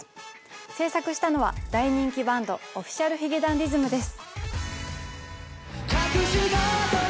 制作したのは大人気バンドＯｆｆｉｃｉａｌ髭男ｄｉｓｍです！